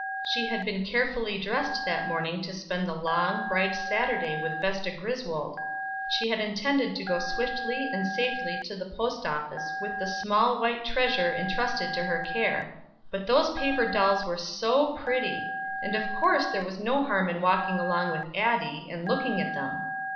She had been carefully dressed that morning to spend the long, bright Saturday with Vesta Griswold. She had intended to go swiftly and safely to the post office with the small white treasure intrusted to her care; but those paper dolls were so pretty, and of course there was no harm in walking along with Addie, and looking at them.